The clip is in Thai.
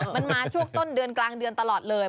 มันมาช่วงต้นเดือนกลางเดือนตลอดเลย